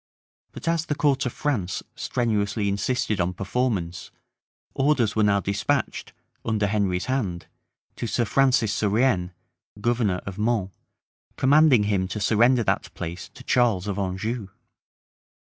But as the court of France strenuously insisted on performance, orders were now despatched, under Henry's hand, to Sir Francis Surienne, governor of Mans, commanding him to surrender that place to Charles of Anjou.